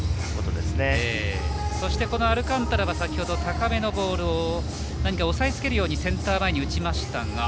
アルカンタラは先ほど高めのボールを押さえつけるようにセンター前に打ちました。